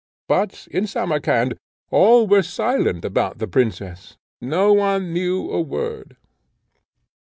But in Samarcand all were silent about the princess; no one knew a word.